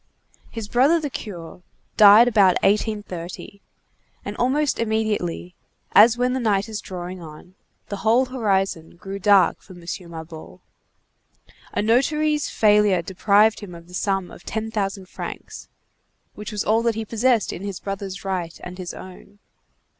His brother the curé died about 1830, and almost immediately, as when the night is drawing on, the whole horizon grew dark for M. Mabeuf. A notary's failure deprived him of the sum of ten thousand francs, which was all that he possessed in his brother's right and his own.